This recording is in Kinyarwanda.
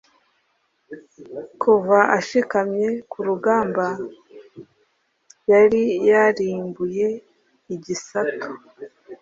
Kuva ashikamye kurugamba yari yarimbuye igisato